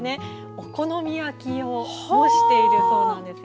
お好み焼きを模しているそうなんですよ。